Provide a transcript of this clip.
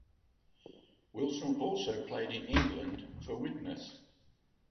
Wilson also played in England for Widnes.